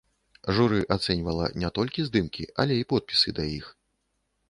Журы ацэньвала не толькі здымкі, але і подпісы да іх.